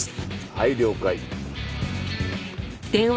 はい了解。